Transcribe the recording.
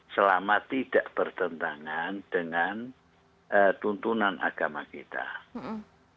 selama tidak bertentangan dengan tuntunan agama kita